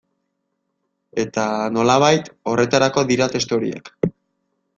Eta, nolabait, horretarako dira testu horiek.